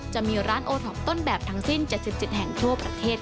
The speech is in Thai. จะมีร้านโอท็อปต้นแบบทั้งสิ้น๗๗แห่งทั่วประเทศ